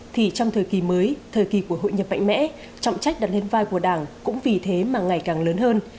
thì trong thời kỳ mới thời kỳ của hội nhập mạnh mẽ trọng trách đặt lên vai của đảng cũng vì thế mà ngày càng lớn hơn